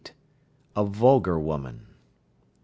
A vulgar woman. 39.